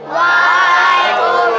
waalaikumsalam warahmatullahi wabarakatuh